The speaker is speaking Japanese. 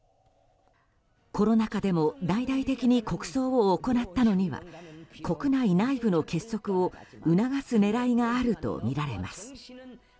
コロナ禍でも大々的に国葬を行ったのには国内内部の結束を促す狙いがあるとみられます。